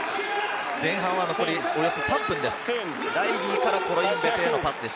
前半は残りおよそ３分です。